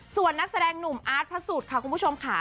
ส่วนนักแสดงหนุ่มอาร์ตพระสุทธิ์ค่ะคุณผู้ชมค่ะ